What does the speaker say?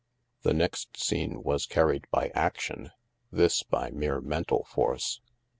" The next scene was carried by action — this by mere mental force.